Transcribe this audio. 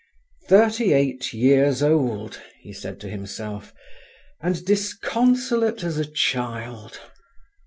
"Thirty eight years old," he said to himself, "and disconsolate as a child!"